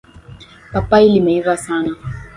Papai limeiva sana.